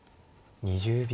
２０秒。